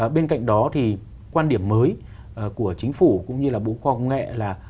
bên cạnh đó thì quan điểm mới của chính phủ cũng như là bộ khoa học công nghệ là